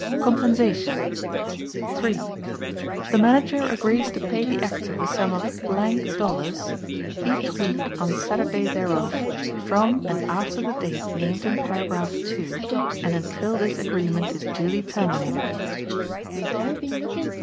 Compensation 3. The Manager agrees to pay the Actor the sum of Dollars ($) each week on Saturday thereof, from and after the date named in Paragraph 2, and until this agreement is duly terminated.